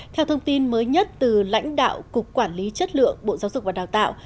theo thông tin mới nhất từ lãnh đạo cục quản lý chất lượng bộ giáo dục và đào tạo